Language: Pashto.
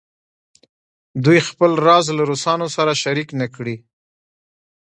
دوی خپل راز له روسانو سره شریک نه کړي.